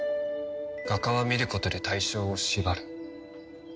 画家は見ることで対象を縛る。